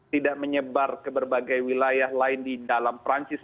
tidak menyebar ke berbagai wilayah lain di dalam perancis